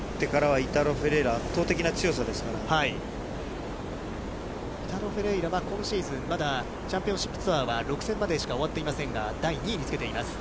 イタロ・フェレイラは今シーズン、まだチャンピオンシップツアーは６戦までしか終わっていませんが、第２位につけています。